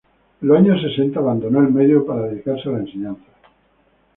En los años sesenta, abandonó el medio para dedicarse a la enseñanza.